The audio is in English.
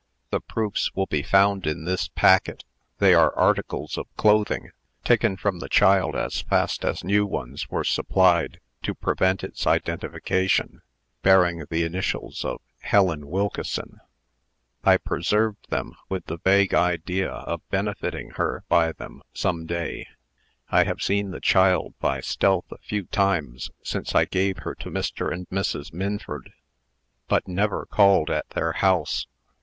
The proofs will be found in this packet. They are articles of clothing, taken from the child as fast as new ones were supplied, to prevent its identification, bearing the initials of Helen Wilkeson. I preserved them, with the vague idea of benefiting her by them, some day. I have seen the child by stealth a few times since I gave her to Mr. and Mrs. Minford, but never called at their house.